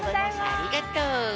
ありがとう！